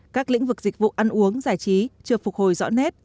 các lĩnh vực dịch vụ ăn uống giải trí chưa phục hồi rõ nét